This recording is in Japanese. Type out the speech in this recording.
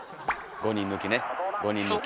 ５人抜きね５人抜き。